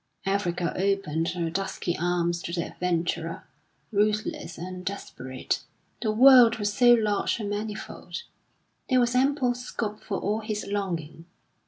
Africa opened her dusky arms to the adventurer, ruthless and desperate; the world was so large and manifold, there was ample scope for all his longing.